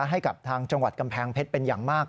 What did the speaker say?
ให้กับทางจังหวัดกำแพงเพชรเป็นอย่างมาก